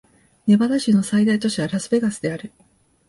ネバダ州の最大都市はラスベガスである